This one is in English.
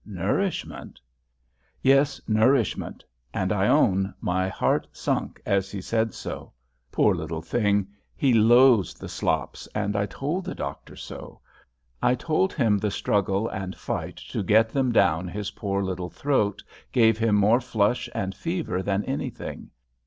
"Nourishment?" "Yes, nourishment, and I own my heart sunk as he said so. Poor little thing, he loathes the slops, and I told the doctor so. I told him the struggle and fight to get them down his poor little throat gave him more flush and fever than any thing.